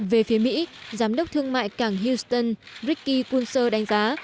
về phía mỹ giám đốc thương mại càng houston ricky kulser đánh giá